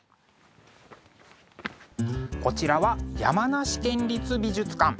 こちらは山梨県立美術館。